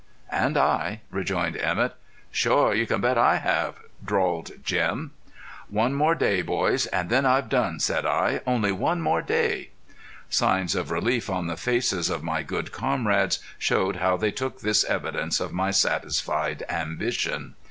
"And I," rejoined Emett. "Shore you can bet I have," drawled Jim. "One more day, boys, and then I've done," said I. "Only one more day!" Signs of relief on the faces of my good comrades showed how they took this evidence of my satisfied ambition.